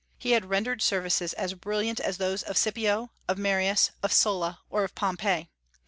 He had rendered services as brilliant as those of Scipio, of Marius, of Sulla, or of Pompey.